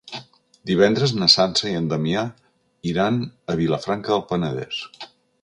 Divendres na Sança i en Damià iran a Vilafranca del Penedès.